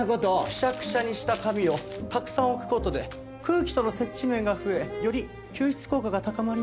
くしゃくしゃにした紙をたくさん置く事で空気との接地面が増えより吸湿効果が高まります。